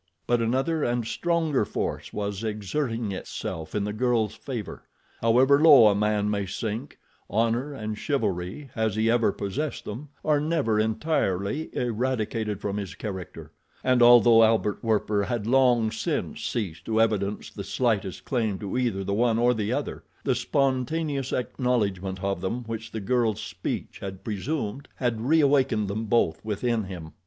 But another and stronger force was exerting itself in the girl's favor. However low a man may sink, honor and chivalry, has he ever possessed them, are never entirely eradicated from his character, and though Albert Werper had long since ceased to evidence the slightest claim to either the one or the other, the spontaneous acknowledgment of them which the girl's speech had presumed had reawakened them both within him.